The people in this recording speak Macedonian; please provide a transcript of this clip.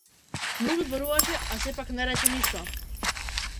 Многу зборуваше а сепак не рече ништо.